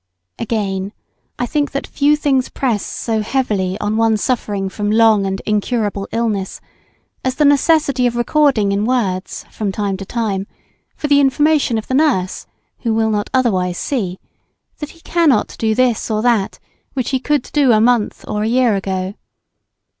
] Again, I think that few things press so heavily on one suffering from long and incurable illness, as the necessity of recording in words from time to time, for the information of the nurse, who will not otherwise see, that he cannot do this or that, which he could do a month or a year ago.